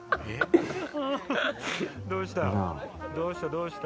どうした？